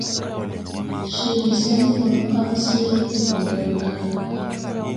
Ceege sen kɔL kaŋ seele ɓi gɔ ɗolgãy.